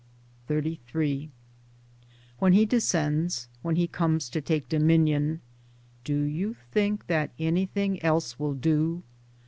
XXXIII When He descends, when He comes to take dominion — Do you think that anything else will do